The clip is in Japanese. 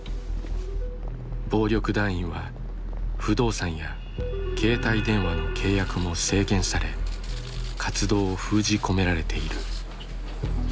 暴力団員は不動産や携帯電話の契約も制限され活動を封じ込められている。